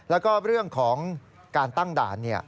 แล้วก็เรื่องของการตั้งด่าน